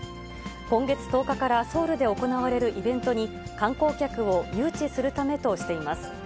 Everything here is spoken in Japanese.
今月１０日からソウルで行われるイベントに、観光客を誘致するためとしています。